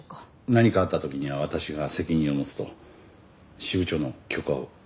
何かあった時には私が責任を持つと支部長の許可を得ました。